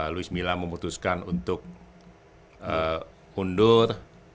louis mila memutuskan untuk undur